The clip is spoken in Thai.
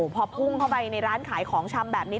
พอพุ่งเข้าไปในร้านขายของชำแบบนี้